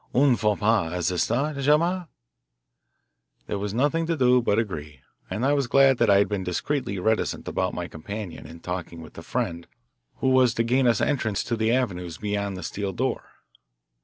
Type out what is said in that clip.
Un faux pas, at the start? Jamais!" There was nothing to do but agree, and I was glad that I had been discreetly reticent about my companion in talking with the friend who was to gain us entrance to the Avernus beyond the steel door.